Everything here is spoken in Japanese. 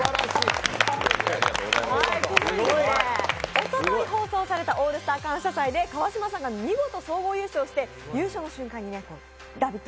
おととい放送された「オールスター感謝祭」で見事総合優勝して、優勝の瞬間に「ラヴィット！」